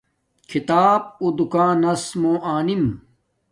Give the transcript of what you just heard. کھیتاپ اُو دوکاناس موں آنم